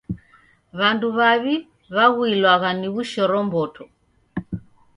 W'andu w'aw'i w'aghuilwagha ni wushoromboto.